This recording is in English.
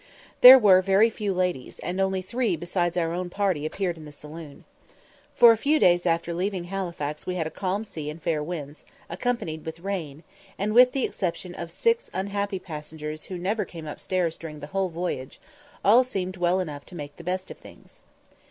There were very few ladies, and only three besides our own party appeared in the saloon. For a few days after leaving Halifax we had a calm sea and fair winds, accompanied with rain; and with the exception of six unhappy passengers who never came upstairs during the whole voyage, all seemed well enough to make the best of things.